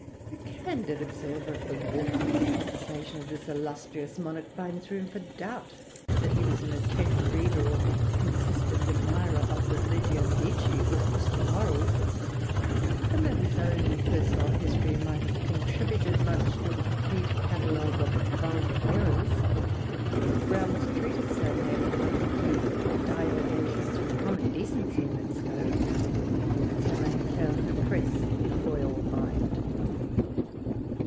A candid observer of the walk and conversation of this illustrious monarch finds room for doubt that he was an attentive reader or consistent admirer of the 'Religio Medici,' or 'Christian Morals'; and though his own personal history might have contributed much to a complete catalogue of Vulgar Errors, Browne's treatise so named did not include divagations from common decency in its scope, and so may have failed to impress the royal mind.